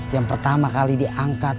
yang pertama kali diangkat